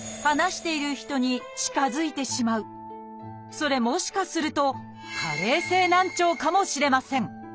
それもしかすると「加齢性難聴」かもしれません。